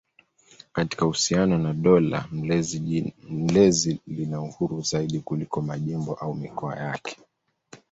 Katika uhusiano na dola mlezi lina uhuru zaidi kuliko majimbo au mikoa yake.